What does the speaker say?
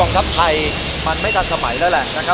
กองทัพไทยมันไม่ทันสมัยแล้วแหละ